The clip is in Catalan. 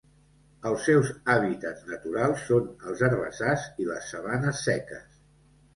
Els seus hàbitats naturals són els herbassars i les sabanes seques.